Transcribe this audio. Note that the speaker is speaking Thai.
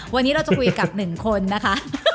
วันนี้เราจะคุยกับ๑คนนะคะ